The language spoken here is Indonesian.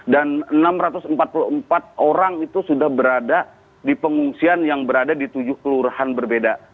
dan enam ratus empat puluh empat orang itu sudah berada di pengungsian yang berada di tujuh kelurahan berbeda